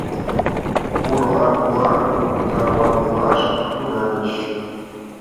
Бурлак-влак тарванылаш тӱҥальыч.